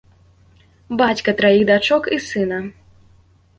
Бацька траіх дачок і сына.